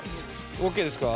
ＯＫですか？